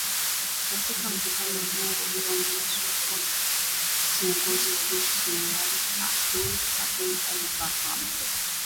katika mkutano ulioongozwa na kiongozi wa kijeshi generali Abdel Fattah al- Burhan